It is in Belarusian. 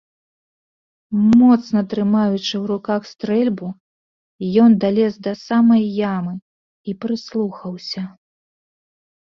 Моцна трымаючы ў руках стрэльбу, ён далез да самай ямы і прыслухаўся.